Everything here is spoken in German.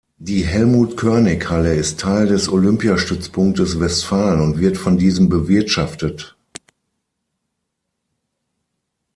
Die Helmut-Körnig-Halle ist Teil des Olympiastützpunktes Westfalen und wird von diesem bewirtschaftet.